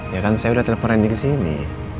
ya kan saya udah telepon randy ke sini